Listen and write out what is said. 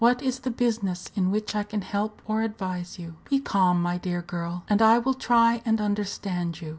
What is the business in which I can help or advise you? Be calm, my dear girl, and I will try and understand you.